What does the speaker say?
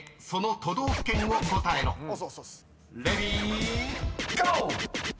［レディーゴー！］